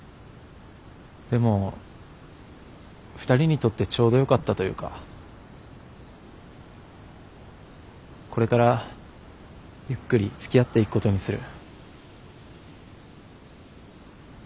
でも２人にとってちょうどよかったというかこれからゆっくりつきあっていくことにする。